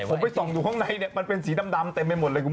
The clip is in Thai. อะมีสองอยู่ห้องในมันเป็นสีดำเต็มไปหมดเลย